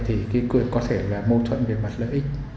thì cái quyền có thể là mâu thuẫn về mặt lợi ích